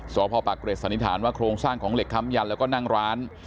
สพปากเกร็ดสันนิษฐานว่าโครงสร้างของเหล็กค้ำยันแล้วก็นั่งร้าน